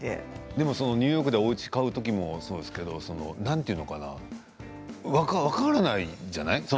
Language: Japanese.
でもニューヨークでおうちを買う時もそうですけど分からないじゃない。